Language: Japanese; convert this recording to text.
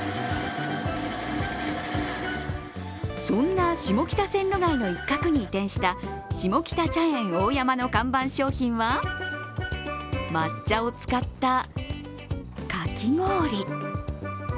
そんな下北線路街の一角に移転したしもきた茶苑大山の看板商品は抹茶を使った、かき氷。